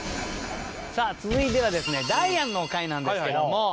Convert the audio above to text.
さあ続いてはですねダイアンの回なんですけども。